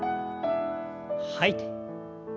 吐いて。